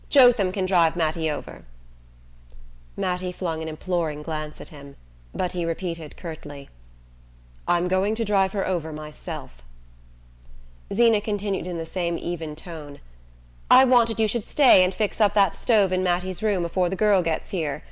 "Jotham can drive Mattie over." Mattie flung an imploring glance at him, but he repeated curtly: "I'm going to drive her over myself." Zeena continued in the same even tone: "I wanted you should stay and fix up that stove in Mattie's room afore the girl gets here.